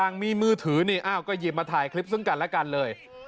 อย่างมีมือถือนี่อ้าวก็หยิบมาถ่ายคลิปซึ่งกันและกันเลย